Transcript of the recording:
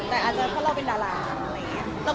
แต่อาจจะถ้าเราเป็นดาร์ลักษณ์ก็ไม่รู้นะครับ